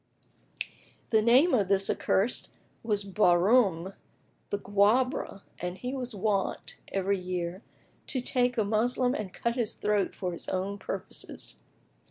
"[FN#24] The name of this accursed was Bahrám the Guebre, and he was wont, every year, to take a Moslem and cut his throat for his own purposes.